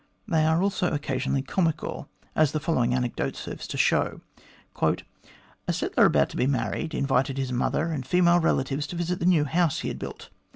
They are also occasionally comical, as the following anecdote serves to show : "A settler about to be married, invited his mother and female relatives to visit the new house he had built.